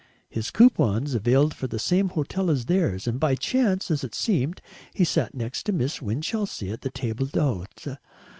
His coupons availed for the same hotel as theirs, and by chance as it seemed he sat next Miss Winchelsea at the table d'hote.